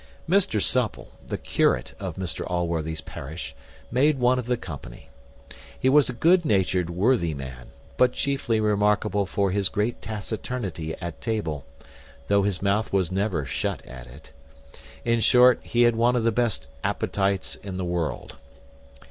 Mr Supple, the curate of Mr Allworthy's parish, made one of the company. He was a good natured worthy man; but chiefly remarkable for his great taciturnity at table, though his mouth was never shut at it. In short, he had one of the best appetites in the world.